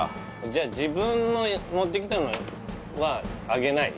じゃ自分の持ってきたのはあげない？